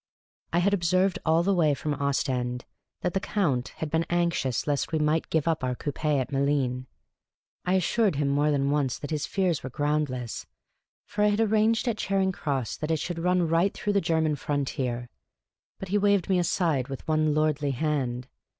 I had observed all the way from Ostend that the Count had been anxious lest we might have to give up our conpi at Malines. I assured him more than once that his fears were groundless, for I had arranged at Charing Cross that it should run right through to the German frontier. But he waved me aside with one lordly hand.